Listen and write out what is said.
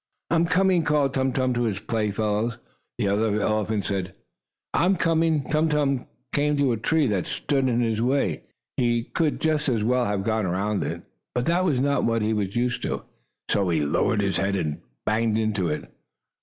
"I'm coming!" called Tum Tum to his play fellows, the other elephants. "I'm coming!" Tum Tum came to a tree that stood in his way. He could just as well have gone around it, but that was not what he was used to. He lowered his head, and banged into it.